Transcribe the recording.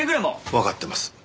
わかってます。